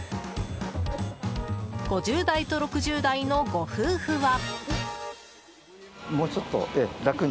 ５０代と６０代のご夫婦は。